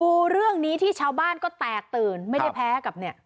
ดูเรื่องนี้ที่ชาวบ้านก็แตกตื่นไม่ได้แพ้กับเนี่ย